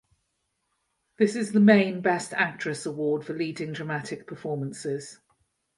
This is the main best actress award for leading dramatic performances.